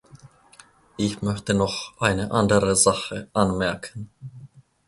Ich möchte noch eine andere Sache anmerken.